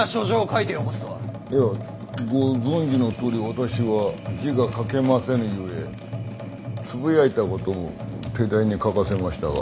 いやご存じのとおり私は字が書けませぬゆえつぶやいたことを手代に書かせましたが。